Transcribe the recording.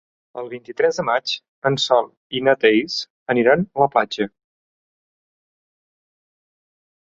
El vint-i-tres de maig en Sol i na Thaís aniran a la platja.